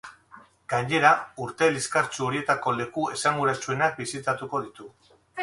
Gainera, urte liskartsu horietako leku esanguratsuenak bisitatuko ditu.